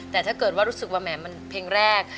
แต่ถ้าเกิดว่ารู้สึกว่าแหมมันเพลงแรก